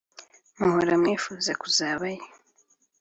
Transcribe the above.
muhore mwifuza—kuzabayo.